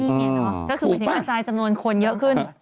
ถูกปะก็คือไม่ถึงอาจารย์จำนวนคนเยอะขึ้น